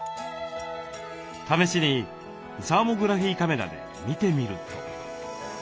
試しにサーモグラフィーカメラで見てみると。